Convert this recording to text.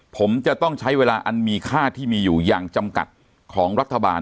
ผมจะต้องใช้เวลาอันมีค่าที่มีอยู่อย่างจำกัดของรัฐบาล